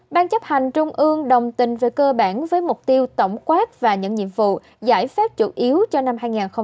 ban chấp hành trung ương đồng tình về cơ bản với mục tiêu tổng quát và những nhiệm vụ giải pháp chủ yếu cho năm hai nghìn hai mươi